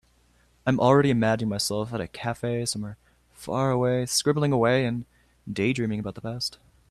I am already imagining myself at a cafe somewhere far away, scribbling away and daydreaming about the past.